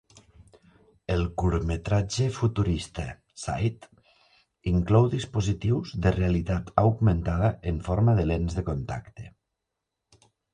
El curtmetratge futurista "Sight" inclou dispositius de realitat augmentada en forma de lents de contacte.